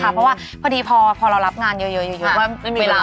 เพราะว่าพอดีพอเรารับงานเยอะว่าไม่มีเวลา